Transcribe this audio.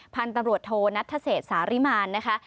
พันธุ์ตำรวจโทนัทเศษสาริมารนะคะ